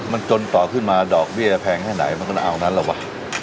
มันจนต่อขึ้นมาดอกเบี้ยจะแพงแค่ไหนมันก็ต้องเอานั้นแหละวะ